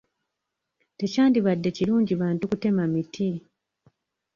Tekyandibadde kirungi bantu kutema miti.